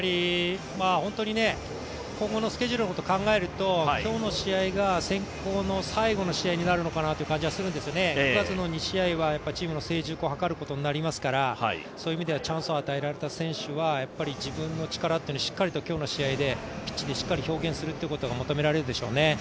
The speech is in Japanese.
今後のスケジュールのことを考えると今日の試合が選考の最後の試合になるかなという感じはするんです９月の２試合はチームの成熟を図ることになりますからそういう意味ではチャンスを与えられた選手は自分の力っていうのをしっかりと今日の試合でピッチでしっかり表現することが求められるでしょうね。